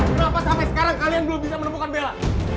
kenapa sampai sekarang kalian belum bisa menemukan bela